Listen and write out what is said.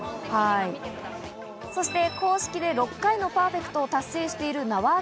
そして公式で６回のパーフェクトを達成している、名和秋